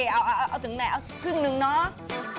เอาถึงไหนเอาครึ่งหนึ่งเนาะ